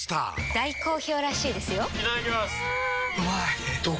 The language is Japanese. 大好評らしいですよんうまい！